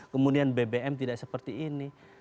kemudian bbm tidak seperti ini